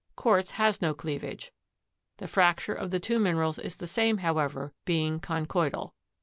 Quartz has no cleavage. The fracture of the two minerals is the same, however, being conchoidal.